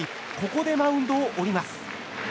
ここでマウンドを降ります。